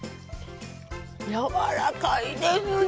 やわらかいですねぇ。